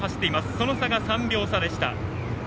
その差が３秒差でした。